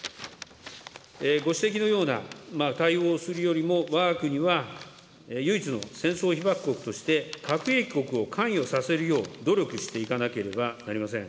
ご指摘のような、対応をするよりも、わが国は唯一の戦争被爆国として、核兵器国を関与させるよう、努力していかなければなりません。